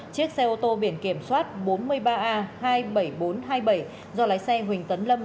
chiếc xe ô tô biển kiểm soát bốn mươi ba a hai mươi bảy nghìn bốn trăm hai mươi bảy do lái xe huỳnh tấn lâm